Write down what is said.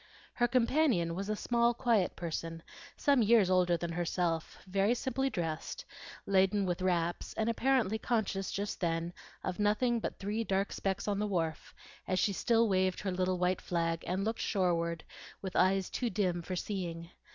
Her companion was a small, quiet person, some years older than herself, very simply dressed, laden with wraps, and apparently conscious just then of nothing but three dark specks on the wharf, as she still waved her little white flag, and looked shoreward with eyes too dim for seeing.